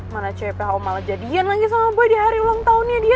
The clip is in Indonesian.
mana cwpho malah jadian lagi sama boy di hari ulang tahunnya dia